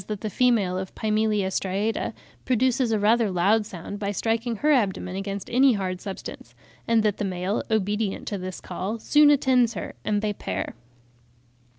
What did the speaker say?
395) that the female of Pimelia striata produces a rather loud sound by striking her abdomen against any hard substance, "and that the male, obedient to this call, soon attends her, and they pair.")